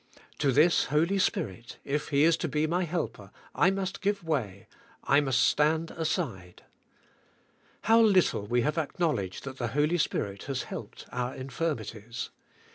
To this Holy Spirit, if He is to be my helper, I must give way, I must stand aside. How little we have acknowledged that the Holy Spirit has helped our infirmities.